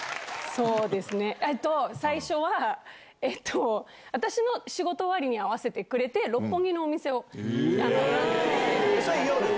そうですね、最初はえっと、私の仕事終わりに合わせてくれて、六本木のお店を選んでくれて。